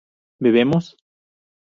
¿bebemos?